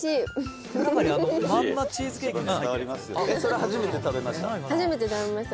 「初めて食べました。